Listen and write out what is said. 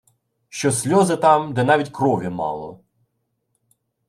Що сльози там, де навіть крові мало!